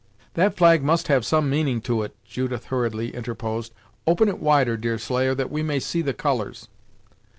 "That flag must have some meaning to it " Judith hurriedly interposed. "Open it wider, Deerslayer, that we may see the colours."